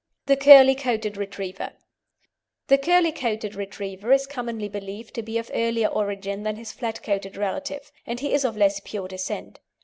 THE CURLY COATED RETRIEVER The curly coated Retriever is commonly believed to be of earlier origin than his flat coated relative, and he is of less pure descent.